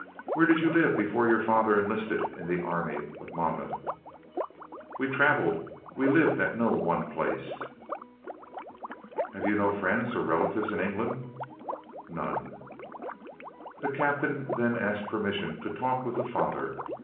"Where did you live before your father enlisted in the army of Monmouth?" "We travelled; we lived at no one place." "Have you no friends or relatives in England?" "None." The captain then asked permission to talk with the father.